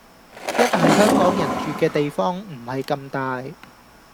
一係香港人住嘅地方唔係咁大